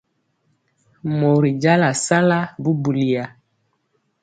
Mori jala sala bubuliya.